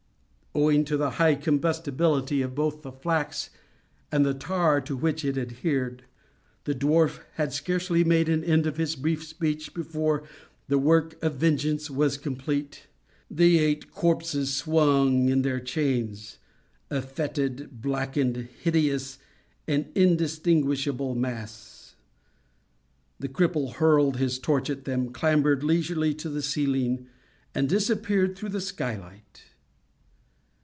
Owing to the high combustibility of both the flax and the tar to which it adhered, the dwarf had scarcely made an end of his brief speech before the work of vengeance was complete. The eight corpses swung in their chains, a fetid, blackened, hideous, and indistinguishable mass. The cripple hurled his torch at them, clambered leisurely to the ceiling, and disappeared through the sky light.